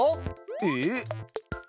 えっ？